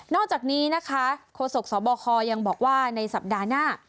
อกจากนี้นะคะโฆษกสบคยังบอกว่าในสัปดาห์หน้า